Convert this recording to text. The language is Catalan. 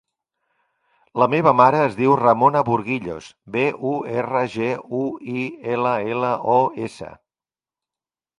La meva mare es diu Ramona Burguillos: be, u, erra, ge, u, i, ela, ela, o, essa.